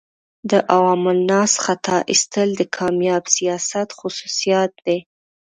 د عوام الناس خطا ایستل د کامیاب سیاست خصوصیات دي.